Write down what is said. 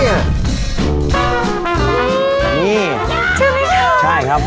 เจ้าชายครับ